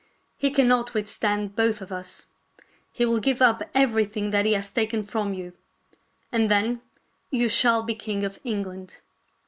He cannot withstand both of us. He will give up everything that he has taken from you. And then you shall be king of England."